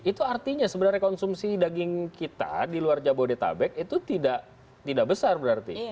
itu artinya sebenarnya konsumsi daging kita di luar jabodetabek itu tidak besar berarti